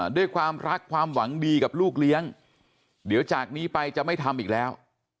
ด้วยความรักความหวังดีกับลูกเลี้ยงเดี๋ยวจากนี้ไปจะไม่ทำอีกแล้ว